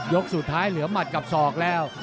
สุดท้ายเหลือหมัดกับศอกแล้ว